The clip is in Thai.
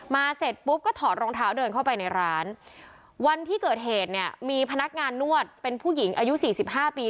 เสร็จปุ๊บก็ถอดรองเท้าเดินเข้าไปในร้านวันที่เกิดเหตุเนี่ยมีพนักงานนวดเป็นผู้หญิงอายุสี่สิบห้าปี